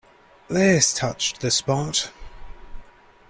This touched the spot.